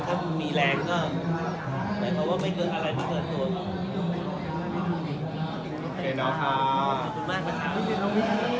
ถ้ามีแรงก็หมายความว่าไม่เกินอะไรมาเปิดตัวหรอก